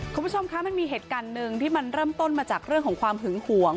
คุณผู้ชมคะมันมีเหตุการณ์หนึ่งที่มันเริ่มต้นมาจากเรื่องของความหึงหวง